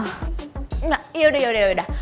enggak yaudah yaudah